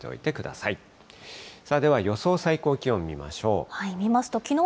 さあでは、予想最高気温見ましょう。